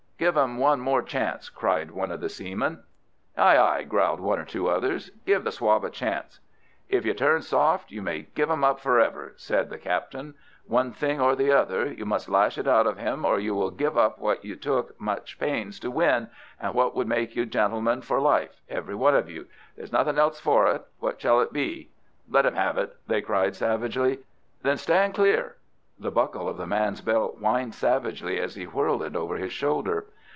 "Give him one more chance!" cried one of the seamen. "Aye, aye," growled one or two others. "Give the swab a chance!" "If you turn soft, you may give them up for ever," said the captain. "One thing or the other! You must lash it out of him; or you may give up what you took such pains to win and what would make you gentlemen for life—every man of you. There's nothing else for it. Which shall it be?" "Let him have it," they cried, savagely. "Then stand clear!" The buckle of the man's belt whined savagely as he whirled it over his shoulder.